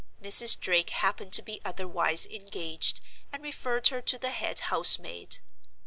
Mrs. Drake happened to be otherwise engaged, and referred her to the head house maid.